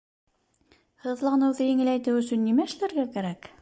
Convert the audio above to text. Һыҙланыуҙы еңеләйтеү өсөн нимә эшләргә кәрәк?